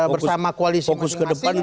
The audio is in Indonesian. bersama koalisi masing masing